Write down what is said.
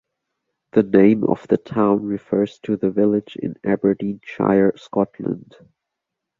The name of the town refers to the village in Aberdeenshire, Scotland.